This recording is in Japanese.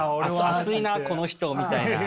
熱いなこの人みたいな。